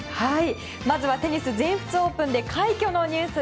まずはテニス全仏オープンで快挙のニュース。